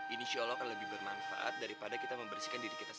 insya allah akan lebih bermanfaat daripada kita membersihkan diri kita sendiri